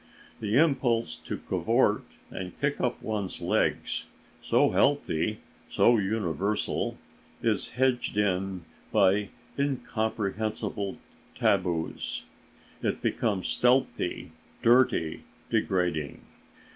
The impulse to cavort and kick up one's legs, so healthy, so universal, is hedged in by incomprehensible taboos; it becomes stealthy, dirty, degrading.